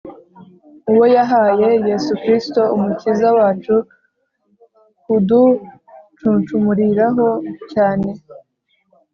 uwo yahaye Yesu Kristo Umukiza wacu kuducunshumuriraho cyane